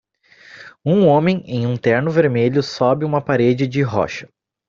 Um homem em um terno vermelho sobe uma parede de rocha